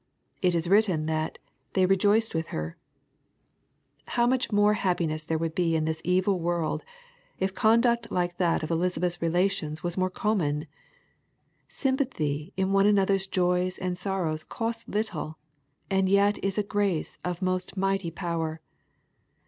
It is written that " They rejoiced with her/' How much more happiness there would be in this evil world^ if conduct like that of Elisabeth's relations was more common I Sympathy in one another's joys and sorrows costs little, and yet is a grace of most mighty power.